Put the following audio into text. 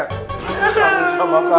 aku mau makan